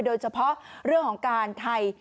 โดยเฉพาะเรื่องของการไทย